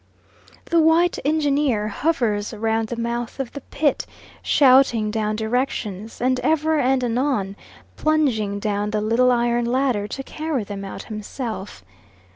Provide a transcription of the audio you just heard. The white engineer hovers round the mouth of the pit, shouting down directions and ever and anon plunging down the little iron ladder to carry them out himself.